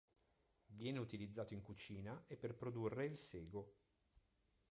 Viene utilizzato in cucina e per produrre il sego.